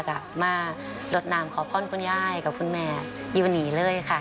กลับมาลดน้ำขอพรคุณย่ายกับคุณแม่อยู่วันนี้เลยค่ะ